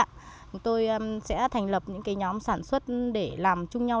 chúng tôi sẽ thành lập những nhóm sản xuất để làm chung nhau